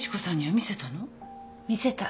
見せた。